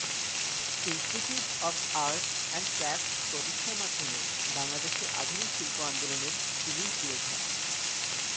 Institute of arts and crafts প্রতিষ্ঠার মাধ্যমে বাংলাদেশে আধুনিক শিল্প আন্দোলনের তিনিই পুরোধা।